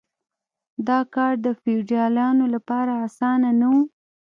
دا کار د فیوډالانو لپاره اسانه نه و.